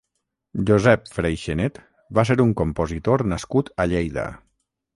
Josep Freixenet va ser un compositor nascut a Lleida.